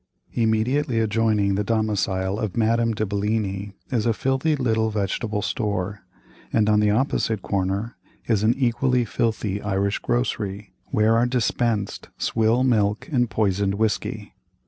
Immediately adjoining the domicil of Madame de Bellini is a filthy little vegetable store, and on the opposite corner is an equally filthy Irish grocery, where are dispensed swill milk and poisoned whiskey.